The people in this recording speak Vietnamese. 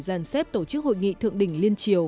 giàn xếp tổ chức hội nghị thượng đỉnh liên triều